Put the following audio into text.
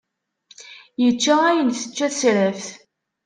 Yečča ayen tečča tesraft.